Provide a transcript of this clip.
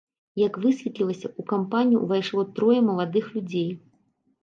Як высветлілася, у кампанію ўвайшло трое маладых людзей.